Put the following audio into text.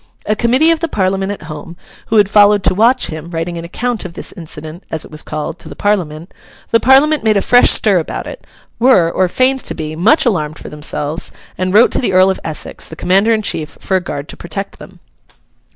A committee of the Parliament at home, who had followed to watch him, writing an account of this Incident, as it was called, to the Parliament, the Parliament made a fresh stir about it; were, or feigned to be, much alarmed for themselves; and wrote to the Earl of Essex, the commander in chief, for a guard to protect them.